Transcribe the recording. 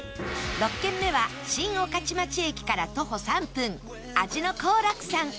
６軒目は新御徒町駅から徒歩３分味の幸楽さん